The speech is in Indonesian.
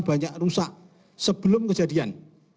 banyak rusak sebelum kejadian